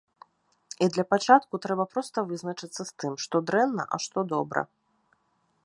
І для пачатку трэба проста вызначыцца з тым, што дрэнна, а што добра.